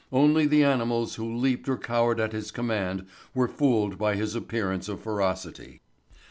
Only the animals who leaped or cowered at his command were fooled by his appearance of ferocity.